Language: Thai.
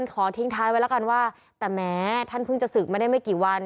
ขอทิ้งท้ายไว้แล้วกันว่าแต่แม้ท่านเพิ่งจะศึกมาได้ไม่กี่วัน